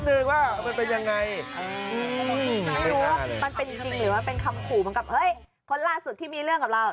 มันเป็นจริงหรือเหมือนว่าผลล่าสุดที่มีเรื่องกับเรา